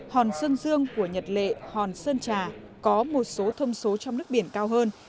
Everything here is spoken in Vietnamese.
hòn sơn dương của nhật lệ hòn sơn trà có một số thông số trong nước biển cao hơn